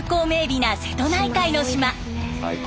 美な瀬戸内海の島。